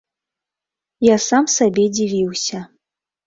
Я сам сабе дзівіўся.